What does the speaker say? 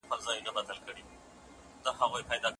دا ټول واړه ټکي دي.